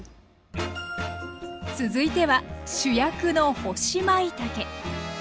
続いては主役の干しまいたけ。